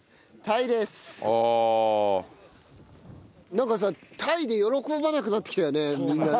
なんかさタイで喜ばなくなってきたよねみんなね。